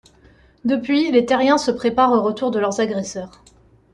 Depuis, les Terriens se préparent au retour de leurs agresseurs...